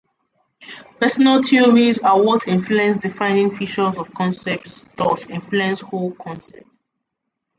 Personal theories are what influence defining features of concepts, thus influence whole concepts.